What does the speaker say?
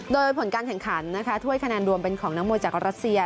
โดยผลการแข่งขันนะคะถ้วยคะแนนรวมเป็นของนักมวยจากรัสเซีย